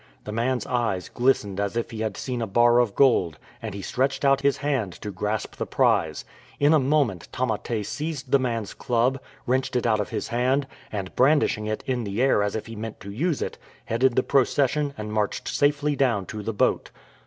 The man's eyes glistened as if he had seen a bar of gold, and he stretched out his hand to grasp the prize. In a moment Tamate seized the man's club, wrenched it out of his hand, and brandishing it in the air as if he meant to use it, headed the procession and marched safely down to the boat.